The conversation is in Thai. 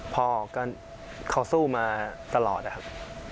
พ่อก็เขาสู้มาตลอดนะครับ